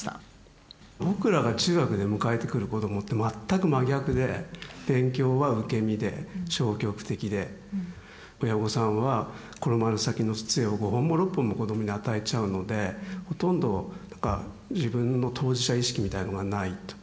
僕らが中学で迎えてくる子どもって全く真逆で勉強は受け身で消極的で親御さんは転ばぬ先の杖を５本も６本も子どもに与えちゃうのでほとんど自分の当事者意識みたいのがないと。